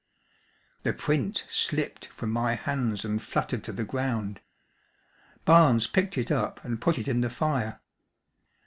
The print slipped from my hands and fluttered to the ground. Barnes picked it up and put it in the fire.